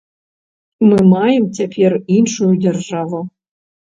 Мы маем цяпер іншую дзяржаву.